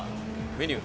メニュー。